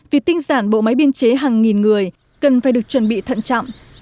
việc tinh giản bộ máy biên chế hàng nghìn người cần phải được chuẩn bị thận trọng